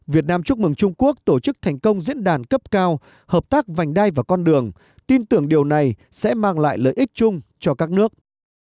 việt nam chúc mừng trung quốc tổ chức thành công diễn đàn cấp cao hợp tác vành đai và con đường tin tưởng điều này sẽ mang lại lợi ích chung cho các nước